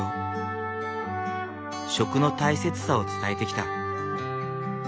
食の大切さを伝えてきた。